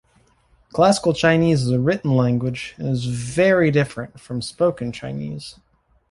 Classical Chinese is a written language and is very different from spoken Chinese.